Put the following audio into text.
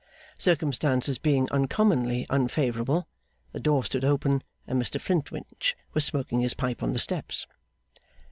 Circumstances being uncommonly unfavourable, the door stood open, and Mr Flintwinch was smoking his pipe on the steps.